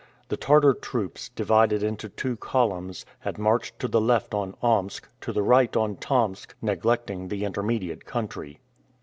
The Tartar troops, divided into two columns, had marched to the left on Omsk, to the right on Tomsk, neglecting the intermediate country.